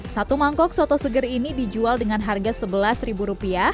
satu mangkok soto seger ini dijual dengan harga rp sebelas